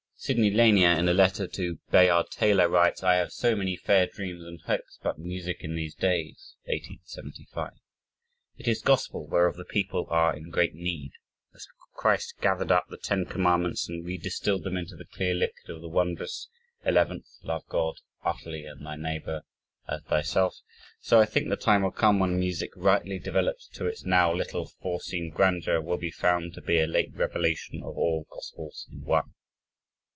Sidney Lanier, in a letter to Bayard Taylor writes: "I have so many fair dreams and hopes about music in these days (1875). It is gospel whereof the people are in great need. As Christ gathered up the Ten Commandments and redistilled them into the clear liquid of the wondrous eleventh love God utterly and thy neighbor as thyself so I think the time will come when music rightly developed to its now little forseen grandeur will be found to be a late revelation of all gospels in one."